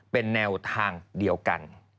เป็นแนวทางเดียวกัน